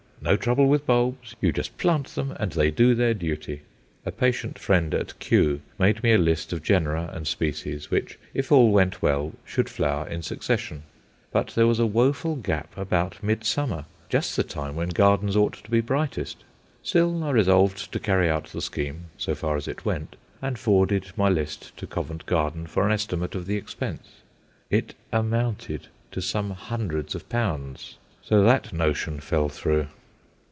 No trouble with bulbs! you just plant them and they do their duty. A patient friend at Kew made me a list of genera and species which, if all went well, should flower in succession. But there was a woeful gap about midsummer just the time when gardens ought to be brightest. Still, I resolved to carry out the scheme, so far as it went, and forwarded my list to Covent Garden for an estimate of the expense. It amounted to some hundreds of pounds. So that notion fell through.